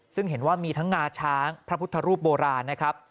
ซึ่งเห็นว่ามีทั้งงาช้างพระพุทธรูปโบราณนะครับ